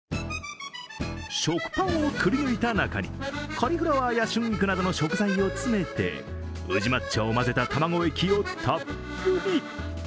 食パンをくり抜いた中に、カリフラワーや春菊などの食材を詰めて宇治抹茶を混ぜた卵液をたっぷり。